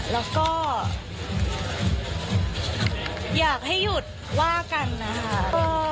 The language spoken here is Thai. แล้วก็อยากให้หยุดว่ากันนะคะ